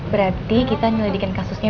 berarti kita nyelidikan kasusnya